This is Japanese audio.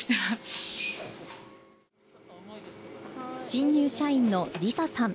新入社員の梨紗さん。